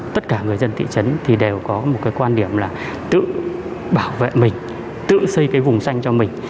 tất cả người dân thị trấn đều có một quan điểm là tự bảo vệ mình tự xây vùng xanh cho mình